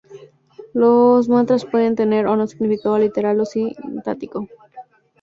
Los mantras pueden tener o no significado literal o sintáctico.